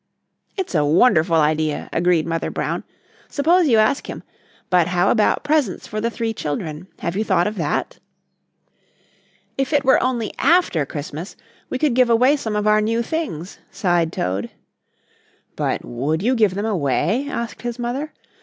"It's a wonderful idea," agreed Mother Brown. "Suppose you ask him. But how about presents for the three children? Have you thought of that?" "If it were only after Christmas we could give away some of our new things," sighed Toad. "But would you give them away?" asked his mother.